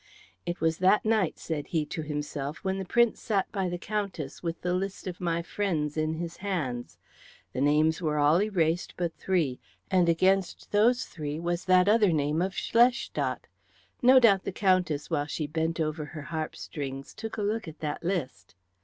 "It was that night," said he to himself, "when the Prince sat by the Countess with the list of my friends in his hands. The names were all erased but three, and against those three was that other name of Schlestadt. No doubt the Countess while she bent over her harp strings took a look at that list.